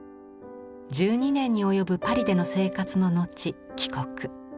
１２年に及ぶパリでの生活の後帰国。